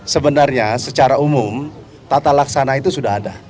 sebenarnya secara umum tata laksana itu sudah ada